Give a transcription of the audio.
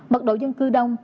mật độ dân cư đông